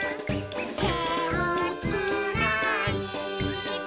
「てをつないで」